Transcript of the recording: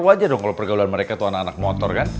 wajar dong kalau pergaulan mereka tuh anak anak motor kan